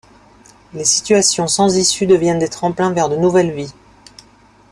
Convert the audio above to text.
Les situations sans issue deviennent des tremplins vers de nouvelles vies.